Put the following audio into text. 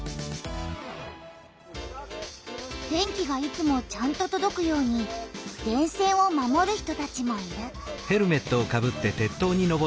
電気がいつもちゃんととどくように「電線」を守る人たちもいる。